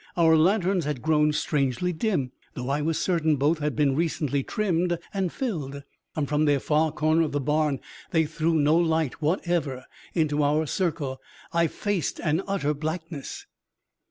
Our lanterns had grown strangely dim, though I was certain both had been recently trimmed and filled; and from their far corner of the barn they threw no light whatever into our circle. I faced an utter blackness.